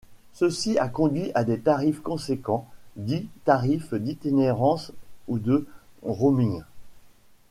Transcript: Ceci a conduit à des tarifs conséquents, dits tarifs d'itinérance ou de roaming.